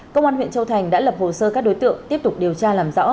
công an huyện châu thành đã lập hồ sơ các đối tượng tiếp tục điều tra làm rõ